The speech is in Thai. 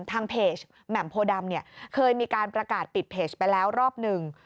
ทางเพจแหม่มโพดำเนี่ยเคยมีการประกาศปิดเพจไปแล้วรอบหนึ่ง